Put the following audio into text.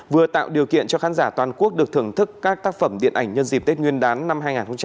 vừa tạo điều kiện cho khán giả toàn quốc được thưởng thức các tác phẩm điện ảnh nhân dịp tết nguyên đán năm hai nghìn hai mươi